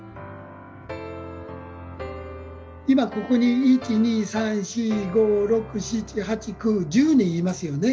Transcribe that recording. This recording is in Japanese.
今ここに１２３４５６７８９１０人いますよね。